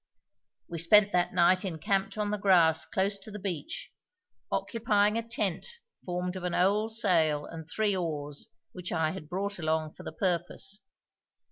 We spent that night encamped on the grass close to the beach, occupying a tent formed of an old sail and three oars which I had brought along for the purpose.